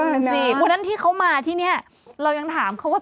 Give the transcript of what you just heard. นั่นสิวันนั้นที่เขามาที่นี่เรายังถามเขาว่า